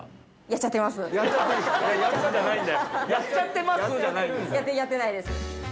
やってやってないです